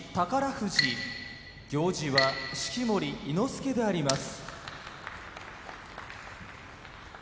富士行司は式守伊之助であります。